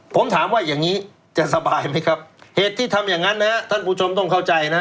ผมถามว่าอย่างนี้จะสบายไหมครับเหตุที่ทำอย่างนั้นนะท่านผู้ชมต้องเข้าใจนะฮะ